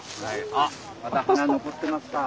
あまだ花残ってますか？